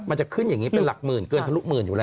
มันจะขึ้นอย่างนี้เป็นหลักหมื่นเกินทะลุหมื่นอยู่แล้ว